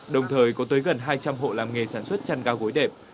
đồng thời có tới gần hai trăm linh hội làm nghề sản xuất chăn ga gối đẹp